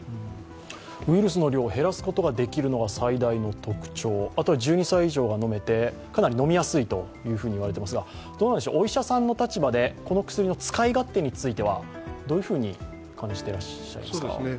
ウイルスの量を減らすことができるのが最大の特徴、あとは１２歳以上が飲めてかなり飲みやすいといわれていますがお医者さんの立場で、この薬の使い勝手については、どういうふうに感じていらっしゃいますか？